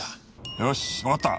よしわかった。